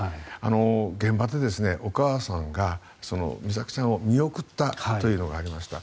現場でお母さんが美咲さんを見送ったというのがありました。